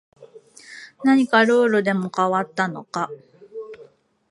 何かルールでも変わったのか